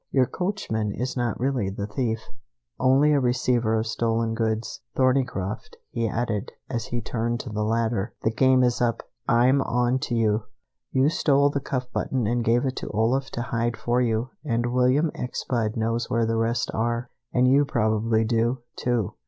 "Your coachman is not really the thief, only a receiver of stolen goods. Thorneycroft," he added, as he turned to the latter, "the game is up! I'm onto you! You stole the cuff button and gave it to Olaf to hide for you, and William X. Budd knows where the rest are, and you probably do, too.